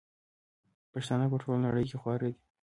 پښتانه په ټوله نړئ کي خواره دي